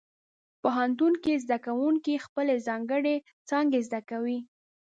پوهنتون کې زده کوونکي خپلې ځانګړې څانګې زده کوي.